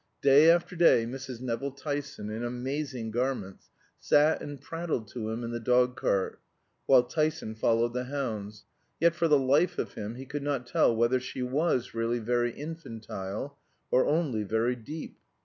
Day after day Mrs. Nevill Tyson, in amazing garments, sat and prattled to him in the dog cart, while Tyson followed the hounds; yet for the life of him he could not tell whether she was really very infantile or only very deep.